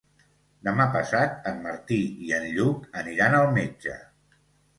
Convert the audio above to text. Demà passat en Martí i en Lluc aniran al metge.